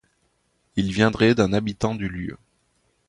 Il viendrait d'un habitant du lieu.